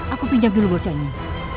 aku pinjam dulu bocah ini